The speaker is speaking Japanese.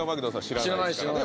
知らないですからね